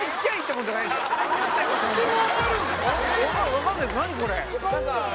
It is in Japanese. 分かんないです何これ？